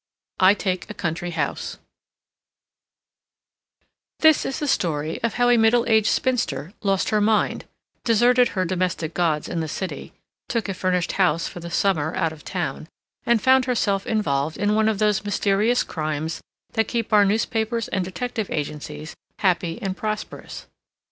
I TAKE A COUNTRY HOUSE This is the story of how a middle aged spinster lost her mind, deserted her domestic gods in the city, took a furnished house for the summer out of town, and found herself involved in one of those mysterious crimes that keep our newspapers and detective agencies happy and prosperous.